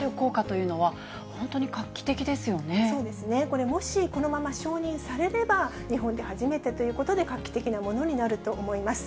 これ、もしこのまま承認されれば、日本で初めてということで、画期的なものになると思います。